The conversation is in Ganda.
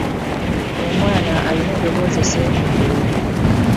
Omwana alina eddoboozi esseeneekerevu.